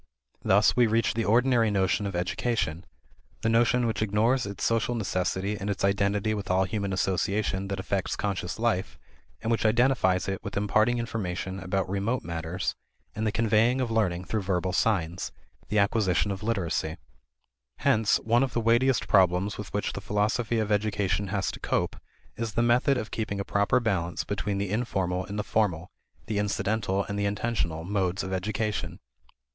Thus we reach the ordinary notion of education: the notion which ignores its social necessity and its identity with all human association that affects conscious life, and which identifies it with imparting information about remote matters and the conveying of learning through verbal signs: the acquisition of literacy. Hence one of the weightiest problems with which the philosophy of education has to cope is the method of keeping a proper balance between the informal and the formal, the incidental and the intentional, modes of education.